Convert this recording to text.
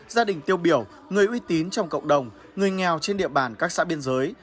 gia đình tiêu biểu người uy tín trong cộng đồng người nghèo trên địa bàn các xã biên giới